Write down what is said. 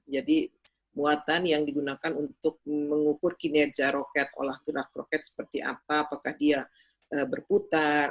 jadi muatan yang digunakan untuk mengukur kinerja roket olah gerak roket seperti apa apakah dia berputar